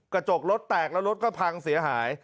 กระจกรถแตกแล้วรถก็พังเสียหาย